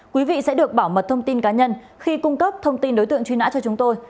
quý vị sẽ được bảo mật thông tin cá nhân khi cung cấp thông tin đối tượng truy nã cho chúng tôi